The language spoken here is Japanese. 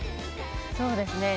そうですね。